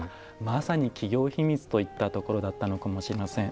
まさに企業秘密といったところだったのかもしれません。